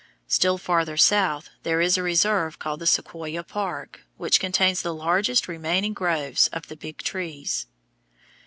Still farther south there is a reserve called the Sequoia Park, which contains the largest remaining groves of the Big Trees.